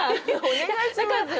お願いします。